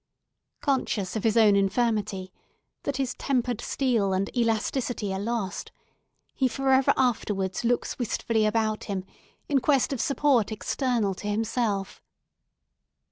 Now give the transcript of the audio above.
Conscious of his own infirmity—that his tempered steel and elasticity are lost—he for ever afterwards looks wistfully about him in quest of support external to himself.